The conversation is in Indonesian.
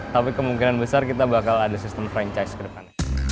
tapi kemungkinan besar kita bakal ada sistem franchise ke depan